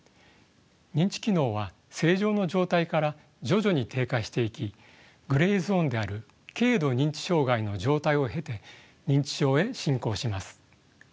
認知機能は正常の状態から徐々に低下していきグレーゾーンである軽度認知障害の状態を経て認知症へ進行します。